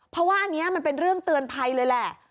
เพราะว่าอันนี้มันเป็นเรื่องเตือนภัยเลยแหละ